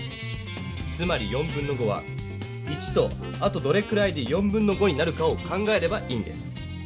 つまりは１とあとどれくらいでになるかを考えればいいんです。